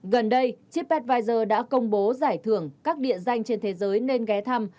gần đây chipadvisor đã công bố giải thưởng các địa danh trên thế giới nên ghé thăm